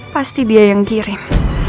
pasti dia yang kirim